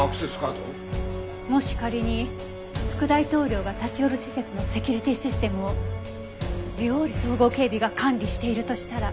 もし仮に副大統領が立ち寄る施設のセキュリティーシステムをビゴーレ総合警備が管理しているとしたら。